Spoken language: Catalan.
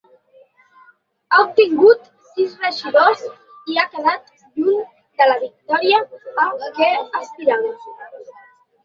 Ha obtingut sis regidors i ha quedat lluny de la victòria a què aspirava.